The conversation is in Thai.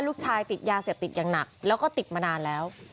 ลูกชายติดยาเสพติดอย่างหนักแล้วก็ติดมานานแล้ว